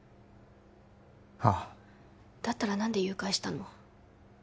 ああだったら何で誘拐したの？